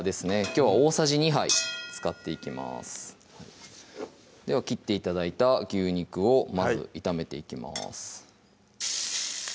きょうは大さじ２杯使っていきますでは切って頂いた牛肉をまず炒めていきます